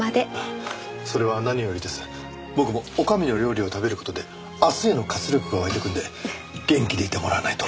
僕も女将の料理を食べる事で明日への活力が湧いてくるんで元気でいてもらわないと。